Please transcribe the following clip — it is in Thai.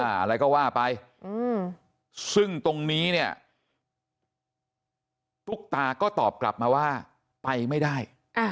อะไรก็ว่าไปซึ่งตรงนี้เนี่ยตุ๊กตาก็ตอบกลับมาว่าไปไม่ได้